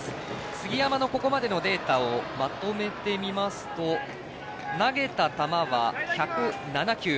杉山のここまでのデータをまとめてみますと投げた球は１０７球。